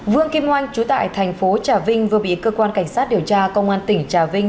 vương kim oanh chú tại thành phố trà vinh vừa bị cơ quan cảnh sát điều tra công an tỉnh trà vinh